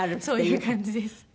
そういう感じです。